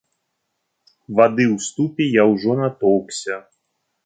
Вады ў ступе я ўжо натоўкся.